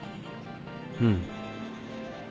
うん。